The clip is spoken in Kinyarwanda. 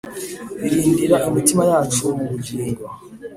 Irindira imitima yacu mu bugingo